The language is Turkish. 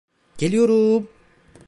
Geliyorum!